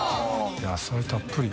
野菜たっぷり。